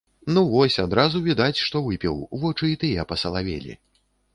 Ну, вось, адразу відаць, што выпіў, вочы і тыя пасалавелі.